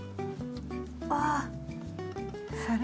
ああ！